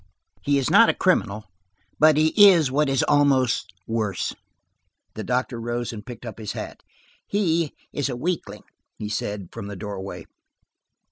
He is not a criminal, but he is what is almost worse." The doctor rose and picked up his hat. "He is a weakling," he said, from the doorway.